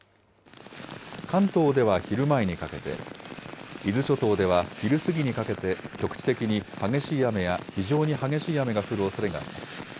関東では昼前にかけて、伊豆諸島では昼過ぎにかけて、局地的に激しい雨や非常に激しい雨が降るおそれがあります。